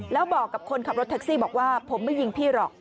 แล้วบอกกับคนขับรถแท็กซี่บอกว่าผมไม่ยิงพี่หรอก